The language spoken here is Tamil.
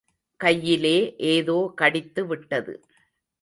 கையிலே ஏதோ கடித்து விட்டது.